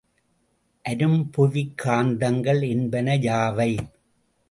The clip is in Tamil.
அரும்புவிக் காந்தங்கள் என்பவை யாவை?